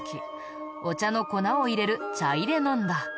お茶の粉を入れる茶入なんだ。